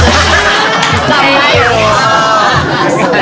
จำได้อยู่